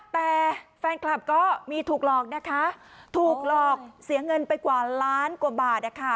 แต่แฟนคลับก็มีถูกหลอกนะคะถูกหลอกเสียเงินไปกว่าล้านกว่าบาทนะคะ